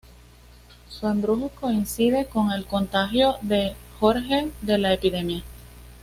Su embrujo coincide con el contagio de Jorge de la epidemia.